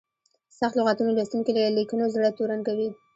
سخت لغتونه لوستونکي له لیکنو زړه تورن کوي.